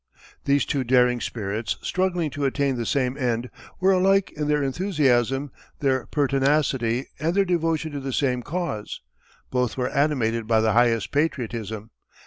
These two daring spirits, struggling to attain the same end, were alike in their enthusiasm, their pertinacity, and their devotion to the same cause. Both were animated by the highest patriotism.